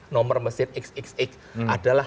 nomor mesin xxx adalah